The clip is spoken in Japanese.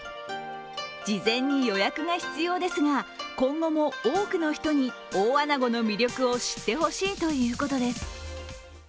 事前に予約が必要ですが今後も多くの人に大あなごの魅力を知ってほしいということです。